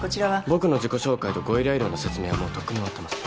僕の自己紹介とご依頼料の説明はもうとっくに終わってます。